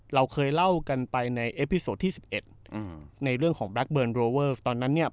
เราเคยเล่ากันไปในเอพิโซดที่สิบเอ็ดในเรื่องของแบล็กเบิร์นตอนนั้นเนี้ย